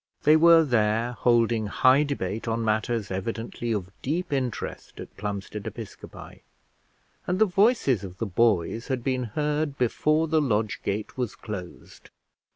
They were there holding high debate on matters evidently of deep interest at Plumstead Episcopi, and the voices of the boys had been heard before the lodge gate was closed.